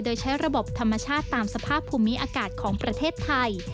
โดยใช้ระบบธรรมชาติตามสภาพภูมิอากาศของประเทศไทย